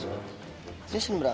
aku punya hadiah spesial buat kamu